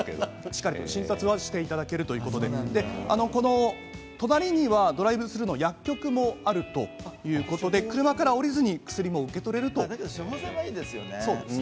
しっかり診察していただけるということでしかも隣にはドライブスルーの薬局もあるということで、車から降りずに薬も受け取れるということです。